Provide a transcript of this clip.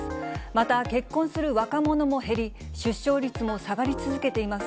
また結婚する若者も減り、出生率も下がり続けています。